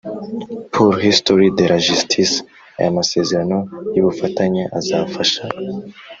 pour l histoire de la Justice Aya masezerano y ubufatanye azafasha